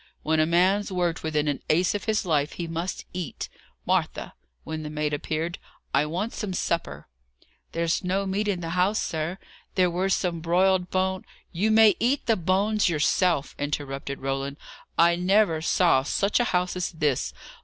"When a man's worked within an ace of his life, he must eat. Martha," when the maid appeared "I want some supper." "There's no meat in the house, sir. There were some broiled bo " "You may eat the bones yourself," interrupted Roland. "I never saw such a house as this!